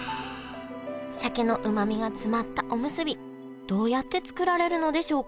鮭のうまみが詰まったおむすびどうやって作られるのでしょうか？